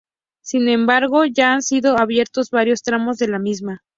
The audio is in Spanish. Sin embargo, ya han sido abiertos varios tramos de la misma.